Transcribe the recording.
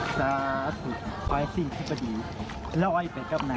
สาธุไอซิ่งที่พะดีล้อยไปกับน้ำ